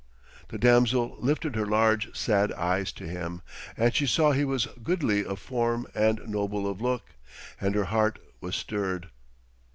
The damsel lifted her large sad eyes to him, and she saw he was goodly of form and noble of look, and her heart was stirred.